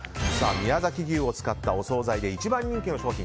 宮崎牛を使ったお総菜で一番人気の商品